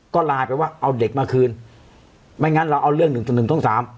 ก็ไลน์ไปว่าเอาเด็กมาคืนไม่งั้นเราเอาเรื่องหนึ่งจุดหนึ่งทุ่มสาม